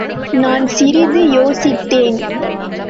நான் சிறிது யோசித்தேன்.